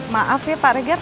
maaf ya pak regar